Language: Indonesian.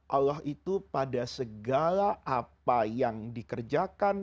allah itu pada segala apa yang dikerjakan